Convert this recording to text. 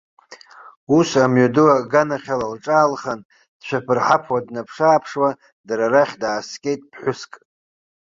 Ус, амҩаду аганахьала лҿаалхан, дшәаԥырҳаԥуа, днаԥшааԥшуа дара рахь дааскьеит ԥҳәыск.